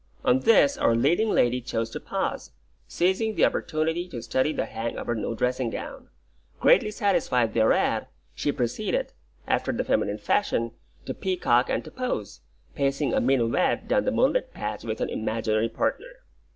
On this our leading lady chose to pause, seizing the opportunity to study the hang of her new dressing gown. Greatly satisfied thereat, she proceeded, after the feminine fashion, to peacock and to pose, pacing a minuet down the moonlit patch with an imaginary partner.